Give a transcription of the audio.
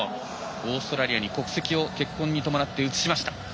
オーストラリアに国籍を結婚に伴って移しました。